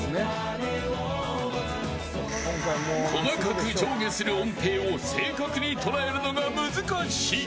細かく上下する音程を正確に捉えるのが難しい。